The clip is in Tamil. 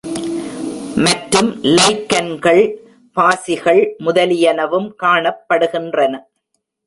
மற்றும் லைக்கன்கள், பாசிகள் முதலியனவும் காணப்படுகின்றன.